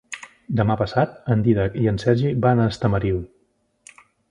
Demà passat en Dídac i en Sergi van a Estamariu.